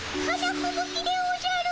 ふぶきでおじゃる。